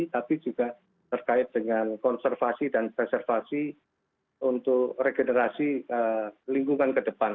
tapi juga terkait dengan konservasi dan preservasi untuk regenerasi lingkungan ke depan